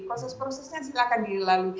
proses prosesnya silahkan dilalui